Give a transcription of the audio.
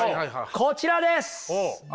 こちらです！